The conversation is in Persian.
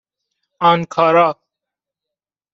آنکارا